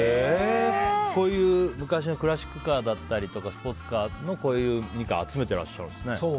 こういう昔のクラシックカーだったりスポーツカーのミニカーを集めていらっしゃるんですね。